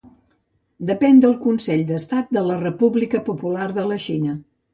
Depèn del Consell d'Estat de la República Popular de la Xina.